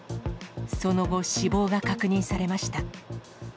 その後、死亡が確認されました。